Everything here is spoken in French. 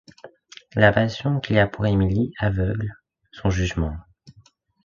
La passion qu’il a pour Émilie aveugle son jugement.